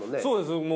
そうです。